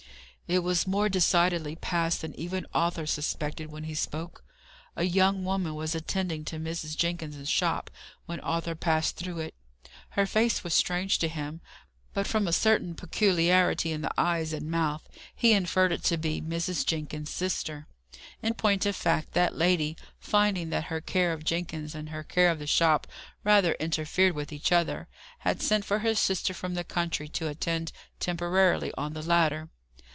It was more decidedly past than even Arthur suspected when he spoke. A young woman was attending to Mrs. Jenkins's shop when Arthur passed through it. Her face was strange to him; but from a certain peculiarity in the eyes and mouth, he inferred it to be Mrs. Jenkins's sister. In point of fact, that lady, finding that her care of Jenkins and her care of the shop rather interfered with each other, had sent for her sister from the country to attend temporarily on the latter.